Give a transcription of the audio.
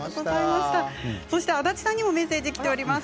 そして、足立さんにもメッセージきています。